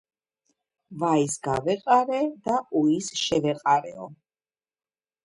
ვაის გავეყარე და უის შევეყარეო